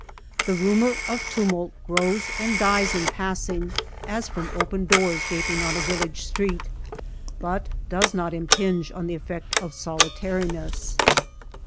The rumor 148 THE MESA TRAIL of tumult grows and dies in passing, as from open doors gaping on a village street, but does not impinge on the effect of soli tariness.